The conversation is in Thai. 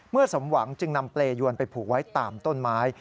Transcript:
สมหวังจึงนำเปรยวนไปผูกไว้ตามต้นไม้